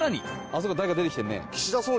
あそこ誰か出てきてるね。